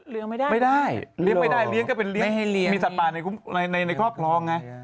เลี้ยงไม่ได้ไม่ได้เลี้ยงไม่ได้เลี้ยงก็เป็นเลี้ยงไม่ให้เลี้ยงมีสัตว์ปลาในครอบครองไง